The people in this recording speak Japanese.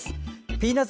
ピーナツ